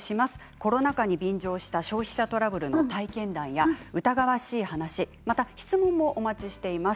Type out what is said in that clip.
コロナ禍に便乗した消費者トラブルの体験談や疑わしい話、また質問もお待ちしています。